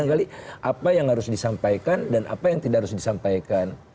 barangkali apa yang harus disampaikan dan apa yang tidak harus disampaikan